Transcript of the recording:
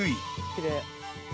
きれい。